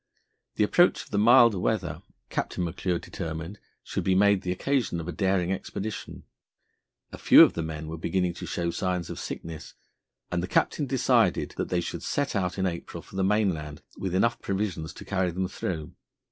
The approach of the milder weather Captain McClure determined should be made the occasion of a daring expedition. A few of the men were beginning to show signs of sickness, and the captain decided that they should set out in April for the mainland with enough provisions to carry them through.